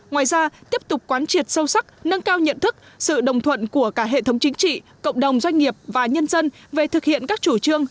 ngoài ra tiếp tục quán triệt sâu sắc nâng cao nhận thức sự đồng thuận của cả hệ thống chính trị cộng đồng doanh nghiệp và nhân dân về thực hiện các chủ trương